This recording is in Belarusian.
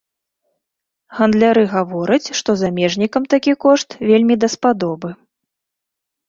Гандляры гавораць, што замежнікам такі кошт вельмі даспадобы.